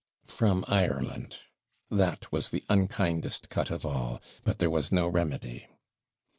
From Ireland! that was the unkindest cut of all but there was no remedy.